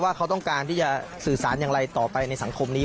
ว่าเขาต้องการที่จะสื่อสารอย่างไรต่อไปในสังคมนี้